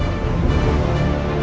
masa masa ini udah berubah